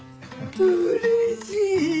うれしい！